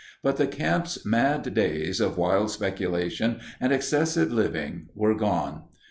But the camp's mad days of wild speculation and excessive living were done.